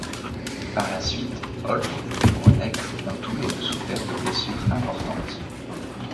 Par la suite, Öttl et Bronec ont tous les deux souffert de blessures importantes.